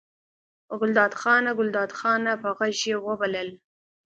وه ګلداد خانه! ګلداد خانه! په غږ یې وبلل.